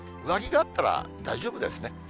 上着があったら大丈夫ですね。